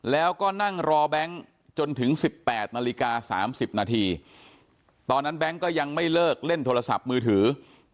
แล้วก็นั่งรอแบงค์จนถึง๑๘นาฬิกา๓๐นาทีตอนนั้นแบงค์ก็ยังไม่เลิกเล่นโทรศัพท์มือถือ